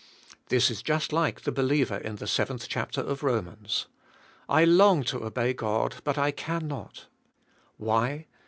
This is just like the believer in the seventh chapter of Romans, "I long* to obey God but I cannot." Why?